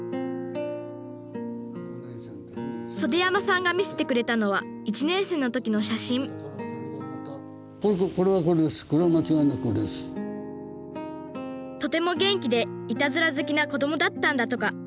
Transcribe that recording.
袖山さんが見せてくれたのは１年生の時の写真とても元気でいたずら好きな子どもだったんだとか。